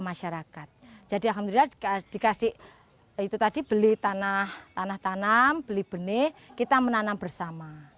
masyarakat jadi alhamdulillah dikasih itu tadi beli tanah tanah tanam beli benih kita menanam bersama